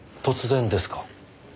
突然ですか。